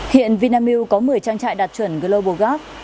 hiện vinamilk có một mươi trang trại đạt chuẩn global gap